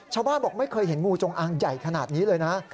บอกไม่เคยเห็นงูจงอางใหญ่ขนาดนี้เลยนะ